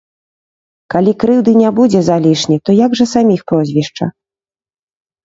Калі крыўды не будзе залішне, то як жа саміх прозвішча?